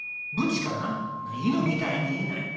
「犬みたいに言いないな」。